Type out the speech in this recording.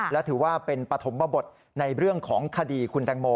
และถือว่าเป็นปฐมบทในเรื่องของคดีคุณแตงโม